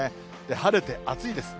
晴れて暑いです。